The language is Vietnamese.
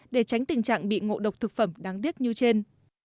để tránh tình trạng bị ngộ độc thực phẩm đáng tiếc như trên